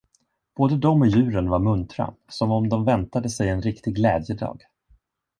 Både de och djuren var muntra, som om de väntade sig en riktig glädjedag.